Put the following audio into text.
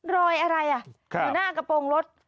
รอยอะไรอยู่หน้ากระโปรงรถ